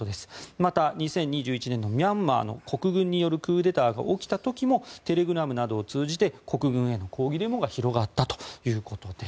また、２０２１年のミャンマーの国軍によるクーデターが起きた時もテレグラムなどを通じて国軍への抗議デモが広がったということです。